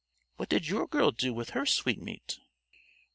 What did your girl do with her sweetmeat?"